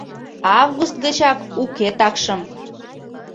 Август гычак уке такшым.